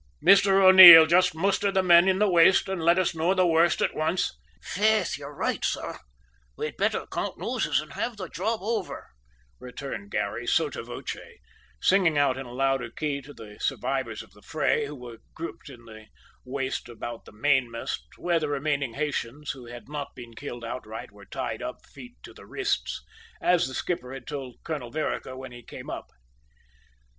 Mr O'Neil, just muster the men in the waist and let us know the worst at once!" "Faith, ye're roight, sor; we'd betther count noses an' have the job over," returned Garry, sotto voce, singing out in a louder key to the survivors of the fray, who were grouped in the waist about the mainmast, where the remaining Haytians who had not been killed outright were tied up feet to the wrists, as the skipper had told Colonel Vereker when he came up.